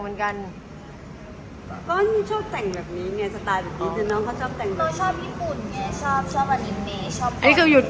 หัวตอนนี้้พูดยังไม่ไหวหรือหรือ